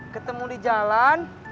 ketemu di jalan